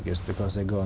quốc gia quốc gia